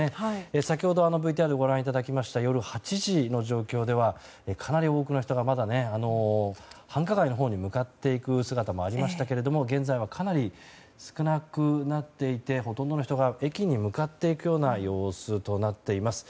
先ほど、ＶＴＲでご覧いただきました夜８時の状況ではかなり多くの人がまだ繁華街のほうに向かっていく姿もありましたが現在は、かなり少なくなっていてほとんどの人が駅に向かっていくような様子となっています。